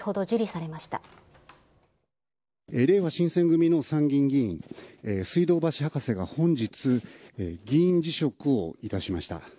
れいわ新選組の参議院議員、水道橋博士が本日、議員辞職をいたしました。